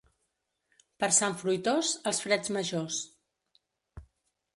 Per Sant Fruitós, els freds majors.